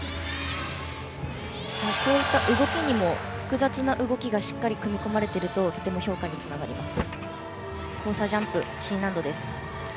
こういった動きにも複雑な動きがしっかり組み込まれていると評価につながります。